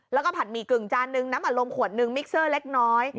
แล้วก็ผัดหมี่กึ่งจานนึงน้ำอัดลมขวดนึงมิกเซอร์เล็กน้อย